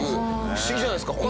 不思議じゃないですか？